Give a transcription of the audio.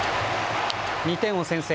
２点を先制。